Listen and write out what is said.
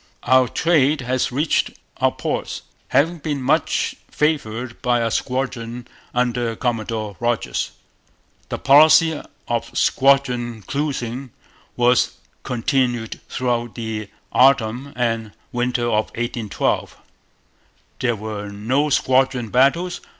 'Our Trade has reached our ports, having been much favoured by a squadron under Commodore Rodgers.' The policy of squadron cruising was continued throughout the autumn and winter of 1812. There were no squadron battles.